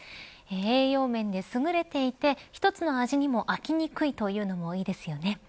栄養面で、すぐれていて一つの味にも飽きにくいというのもよいですよね。